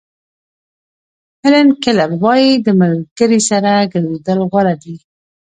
هیلن کیلر وایي د ملګري سره ګرځېدل غوره دي.